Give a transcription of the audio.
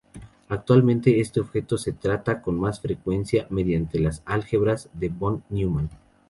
Actualmente este objetivo se trata con más frecuencia mediante las Álgebras de von Neumann.